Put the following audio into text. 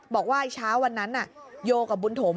บอกว่าอีช้าวันนั้นน่ะโย่กับบุนโถม